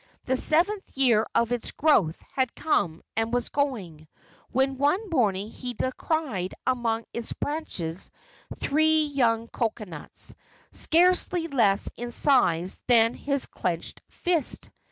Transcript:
The seventh year of its growth had come and was going, when one morning he descried among its branches three young cocoanuts, scarcely less in size than his clenched fist.